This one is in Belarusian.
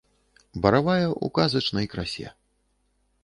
Баравая ў казачнай красе.